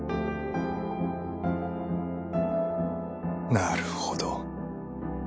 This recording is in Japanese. なるほど。